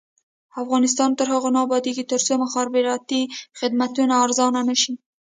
افغانستان تر هغو نه ابادیږي، ترڅو مخابراتي خدمتونه ارزانه نشي.